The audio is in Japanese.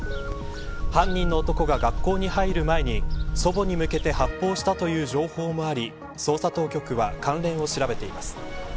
犯人の男が学校に入る前に祖母に向けて発砲したという情報もあり捜査当局は、関連を調べています。